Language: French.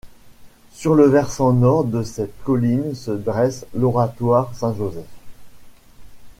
Sur le versant nord de cette colline se dresse l’oratoire Saint-Joseph.